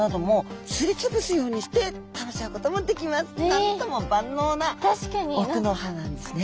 なんとも万能な奥の歯なんですね。